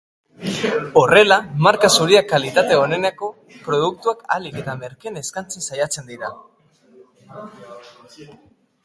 Horrela, marka zuriak kalitate oneneko produktuak ahalik eta merkeen eskaintzen saiatzen dira.